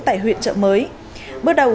tại huyện trợ mới